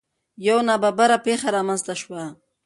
یو نا ببره پېښه رامنځ ته شوه.